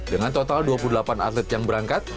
dengan total dua puluh delapan atlet yang berangkat